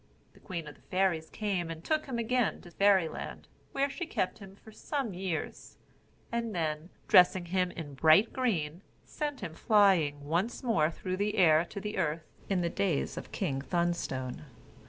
The queen of the fairies came, and took him again to Fairy Land, where she kept him for some years; and then, dressing him in bright green, sent him flying once more through the air to the earth, in the days of King Thunstone.